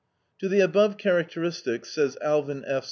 To the above characteristics, says Alvin F.